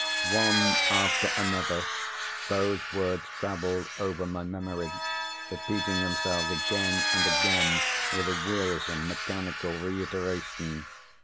One after another those words travelled over my memory, repeating themselves again and again with a wearisome, mechanical reiteration.